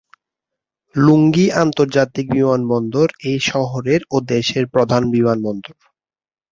লুঙ্গি আন্তর্জাতিক বিমানবন্দর এই শহরের ও দেশের প্রধান বিমানবন্দর।